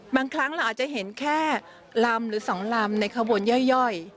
บางครั้งเราอาจจะเห็นแค่ลำหรือ๒ลำในขบวนย่อย